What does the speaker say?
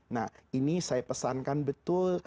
nah ini saya pesankan betul